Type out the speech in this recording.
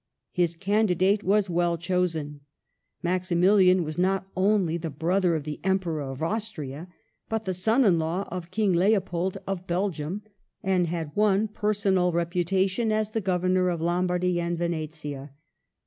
His candidate was well chosen. Maximilian was not only the brother of the Emperor of Austria, but the son in law of King Leopold of Belgium, and had won personal reputation as the Governor of Lombardy and Venetia.